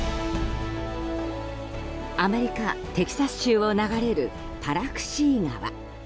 アメリカ・テキサス州を流れるパラクシー川。